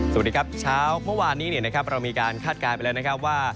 สวัสดีครับเช้าเมื่อวานนี้เรามีการคาดการณ์ไปแล้วนะครับว่า